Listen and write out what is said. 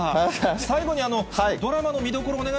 最後にドラマの見どころ、お願い